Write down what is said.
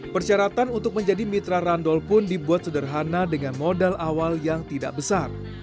persyaratan untuk menjadi mitra randol pun dibuat sederhana dengan modal awal yang tidak besar